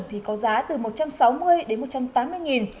thì có giá từ một trăm sáu mươi đến một trăm tám mươi nghìn